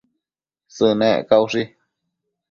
Sënec caushi